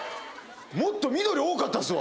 もっと緑多かったですわ。